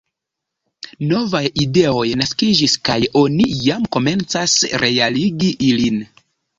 Novaj ideoj naskiĝis kaj oni jam komencas realigi ilin.